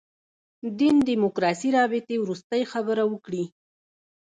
دین دیموکراسي رابطې وروستۍ خبره وکړي.